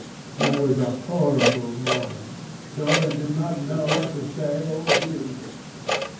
There was a horrible moment. Dorian did not know what to say or do.